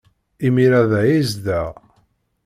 Imir-a, da ay yezdeɣ.